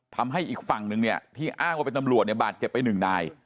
ทำให้อีกฝั่งนึงเนี่ยที่อ้างว่าเป็นตำรวจเนี่ยบาดเจ็บไปหนึ่งนาย